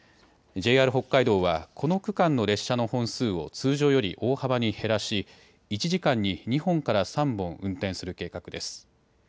ＪＲ北海道はこの区間の列車の本数を通常より大幅に減らし１時間に２本から３本運転する計画です。